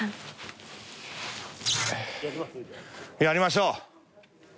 やりましょう。